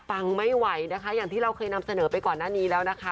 ฟังไม่ไหวนะคะอย่างที่เราเคยนำเสนอไปก่อนหน้านี้แล้วนะคะ